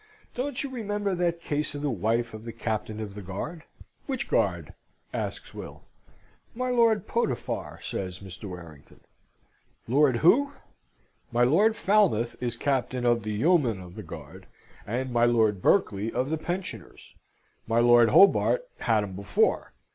Don't you remember that case of the wife of the Captain of the Guard?" "Which Guard?" asks Will. "My Lord Potiphar," says Mr. Warrington. "Lord Who? My Lord Falmouth is Captain of the Yeomen of the Guard, and my Lord Berkeley of the Pensioners. My Lord Hobart had 'em before.